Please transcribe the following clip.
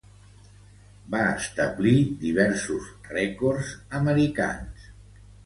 Va establir diversos rècords americans.